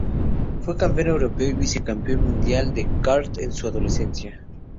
Fue campeón europeo y vicecampeón mundial de kart en su adolescencia.